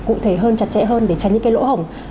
cụ thể hơn chặt chẽ hơn để tránh những cái lỗ hỏng